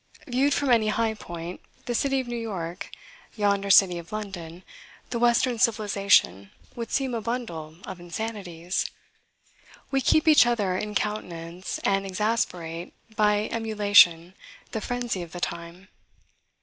Viewed from any high point, the city of New York, yonder city of London, the western civilization, would seem a bundle of insanities. We keep each other in countenance, and exasperate by emulation the frenzy of the time.